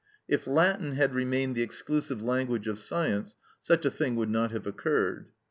If Latin had remained the exclusive language of science such a thing would not have occurred.